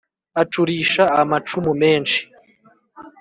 acurisha amacumu menshi